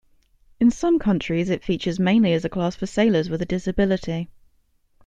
In some countries it features mainly as a class for sailors with a disability.